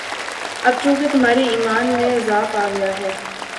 اب چونکہ تمہارے ایمان میں ضعف آ گیا ہے،